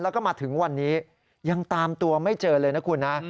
แล้วก็มาถึงวันนี้ยังตามตัวไม่เจอเลยนะคุณนะ